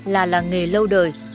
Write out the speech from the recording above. là làng nghề lâu đời